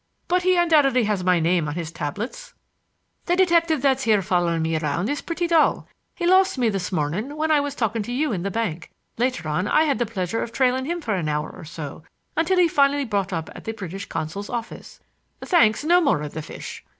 But he undoubtedly has my name on his tablets. The detective that's here following me around is pretty dull. He lost me this morning while I was talking to you in the bank. Later on I had the pleasure of trailing him for an hour or so until he finally brought up at the British consul's office. Thanks; no more of the fish.